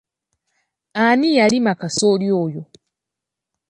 Ani yalima kasooli oyo?